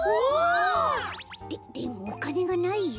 ででもおかねがないよ。